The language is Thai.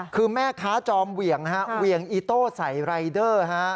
คือแม่ค้าจอมเหวี่ยงอีโต้ใส่รายเดอร์